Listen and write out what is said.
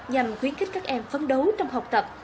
nhằm khuyến khích các em phấn đấu trong học tập